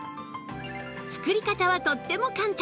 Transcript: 作り方はとっても簡単